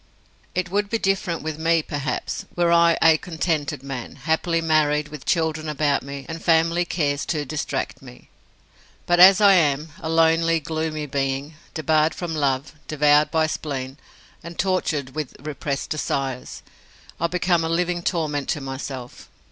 It would be different with me, perhaps, were I a contented man, happily married, with children about me, and family cares to distract me. But as I am a lonely, gloomy being, debarred from love, devoured by spleen, and tortured with repressed desires I become a living torment to myself.